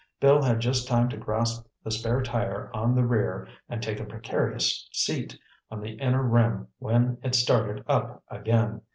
Bill had just time to grasp the spare tire on the rear and take a precarious seat on the inner rim when it started up again.